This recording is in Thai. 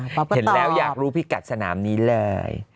ป๊อบก็ตอบเห็นแล้วอยากรู้พี่กัดสนามนี้เลย